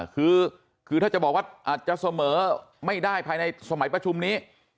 คือถ้าจะบอกว่าอาจจะเสมอไม่ได้ภายในสมัยประชุมนี้